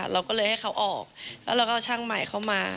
เราก็เลยให้เขาออกแล้วเราก็เอาช่างใหม่เข้ามา